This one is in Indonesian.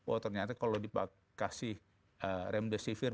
oh ternyata kalau dikasih remdesivir